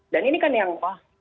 dan ini kan yang